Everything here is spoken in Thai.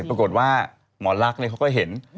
ปรากฏว่าหมอลักร์เนี่ยเขาได้เห็น